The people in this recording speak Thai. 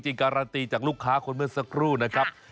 การันตีจากลูกค้าคนเมื่อสักครู่นะครับ